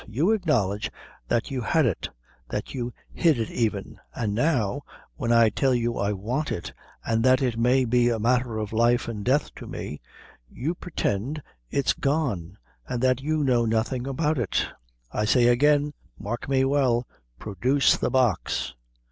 You acknowledge that you had it that you hid it even an' now, when I tell you I want it, an' that it may be a matther of life an' death to me you purtend its gone, an' that you know nothing about it I say again, mark me well produce the box!"